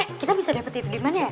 eh kita bisa dapet itu dimana ya